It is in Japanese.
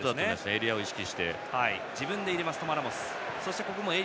エリアを意識して。